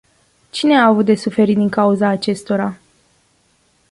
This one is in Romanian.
Cine a avut de suferit din cauza acestora?